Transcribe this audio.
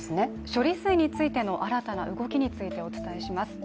処理水についての新たな動きについてお伝えします。